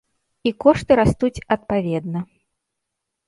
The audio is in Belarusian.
І кошты растуць адпаведна.